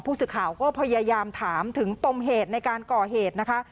ผู้สื่อข่าวก็พยายามถามถึงปมเหตุในการก่อเหตุนะคะ